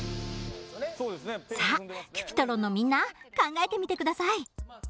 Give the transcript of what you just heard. さあＣｕｐｉｔｒｏｎのみんな考えてみて下さい。